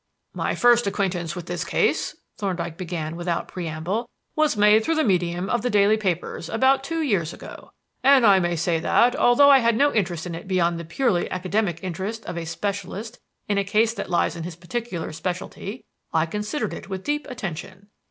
"My first acquaintance with this case," Thorndyke began without preamble, "was made through the medium of the daily papers about two years ago; and I may say that, although I had no interest in it beyond the purely academic interest of a specialist in a case that lies in his particular specialty, I considered it with deep attention.